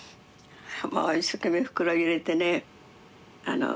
もう一生懸命袋入れてね。